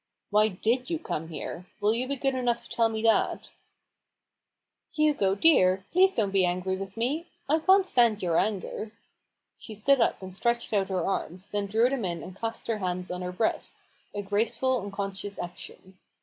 " Why did you come here ? Will you be good enough to tell me that ?"" Hugo, dear, please don't be angry with me— I can't stand your anger !" She stood up and stretched out her arms, then drew them in and clasped her hands on her breast — a graceful, unconscious action.